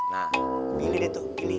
nah pilih deh tuh pilih